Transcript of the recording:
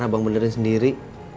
nanti abang benerin sendiri